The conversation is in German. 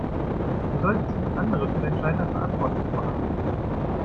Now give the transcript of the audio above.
Du solltest nicht andere für dein Scheitern verantwortlich machen.